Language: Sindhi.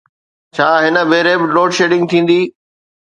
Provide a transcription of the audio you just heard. ڇا هن ڀيري به لوڊشيڊنگ ٿيندي؟